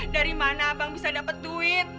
dari mana abang bisa dapat duit